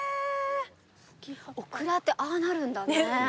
オクラってああなるんだね。